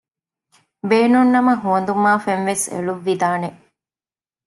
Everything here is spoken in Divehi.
ބޭނުން ނަމަ ހުވަނދުމާ ފެން ވެސް އެޅުއްވިދާނެ